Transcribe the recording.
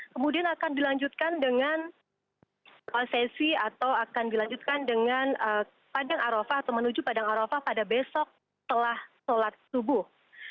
kemudian akan dilanjutkan dengan sesi atau akan dilanjutkan dengan padang arafah atau menuju padang arafah pada besok setelah sholat subuh